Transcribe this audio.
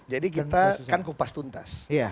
jadi kita kan kupas tuntas